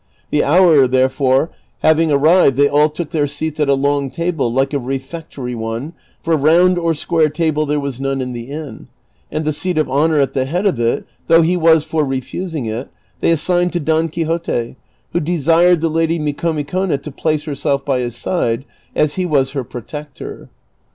The hour, therefore, having arrived they all took their seats at a long table like a refectory one, for round or square table there was none in the inn, and the seat of honor at the head of it, though he was for refusing it, they assigned to Don Quixote, who desired the lady Micomicona to place herself by his side, as he was her protector.